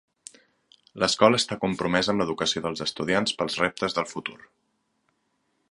L'escola està compromesa amb l'educació dels estudiants pels reptes del futur.